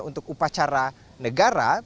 untuk upacara negara